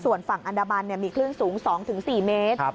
ส่วนฝั่งอันดามันมีคลื่นสูง๒๔เมตร